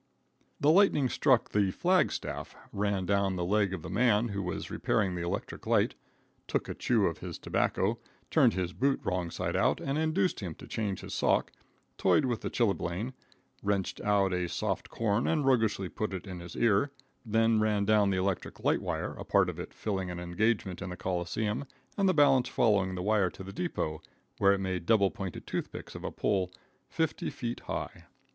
The lightning struck the flag staff, ran down the leg of a man who was repairing the electric light, took a chew of his tobacco, turned his boot wrong side out and induced him to change his sock, toyed with a chilblain, wrenched out a soft corn and roguishly put it in his ear, then ran down the electric light wire, a part of it filling an engagement in the Coliseum and the balance following the wire to the depot, where it made double pointed toothpicks of a pole fifty feet high.